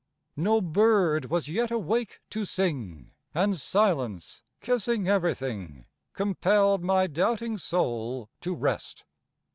No bird was yet awake to sing, And silence kissing everything Compelled my doubting soul to rest.